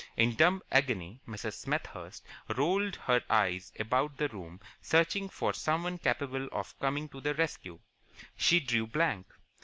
In dumb agony Mrs. Smethurst rolled her eyes about the room searching for someone capable of coming to the rescue. She drew blank.